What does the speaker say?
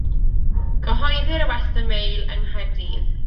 Cyhoeddir y Western Mail yng Nghaerdydd.